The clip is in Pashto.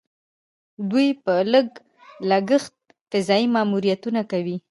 دوی په لږ لګښت فضايي ماموریتونه کوي.